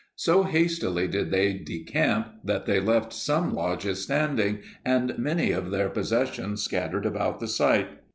So hastily did they decamp that they left some lodges standing and many of their possessions scattered about the site.